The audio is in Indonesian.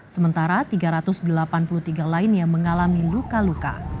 sementara tiga ratus delapan puluh tiga lain yang mengalami luka luka